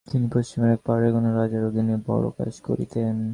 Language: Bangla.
তিনি পশ্চিমের এক পাহাড়ের কোনো রাজার অধীনে বড়ো কাজ করিতেন।